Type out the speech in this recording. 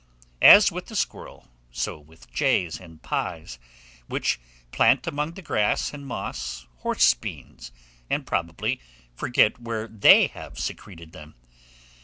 As with the squirrel, so with jays and pies, which plant among the grass and moss, horse beans, and probably forget where they have secreted them.